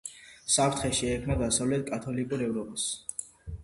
საფრთხე შეექმნა დასავლეთ კათოლიკურ ევროპას.